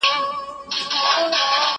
سر تر نوکه لا خولې پر بهېدلې